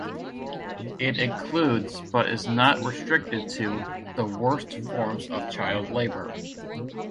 It includes, but is not restricted to, the Worst Forms of Child Labour.